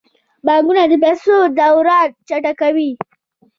بانکونه د پیسو دوران چټکوي.